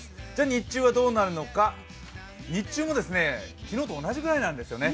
日中はどうなるのか、日中も昨日と同じぐらいなんですよね。